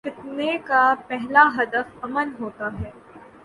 فتنے کا پہلا ہدف امن ہو تا ہے۔